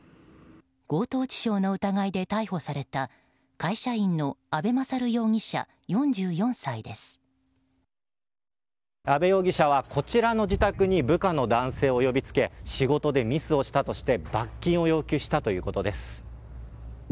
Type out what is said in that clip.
強盗致傷の疑いで逮捕された会社員の阿部容疑者はこちらの自宅に部下の男性を呼びつけ仕事でミスをしたとして罰金を要求したということです。